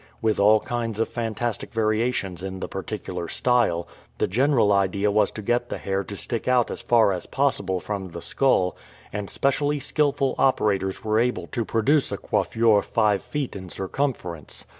With all kinds of fantastic varia tions in the particular style, the general idea was to get the hair to stick out as far as possible from the skull; and specially skilful operators were able to produce a coiffure five feet in circumference.